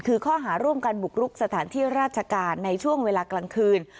คือข้อหาร่วมกันบุกรุกสถานที่ราชการในช่วงเวลากลางคืน